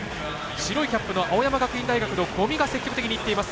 白いキャップの青山学院大学の五味が積極的にいっています。